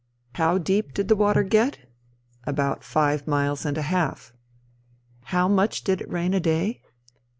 How deep did the water get? About five miles and a half. How much did it rain a day?